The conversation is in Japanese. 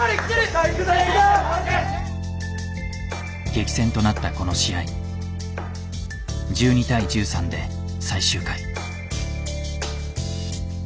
激戦となったこの試合１２対１３で最終回。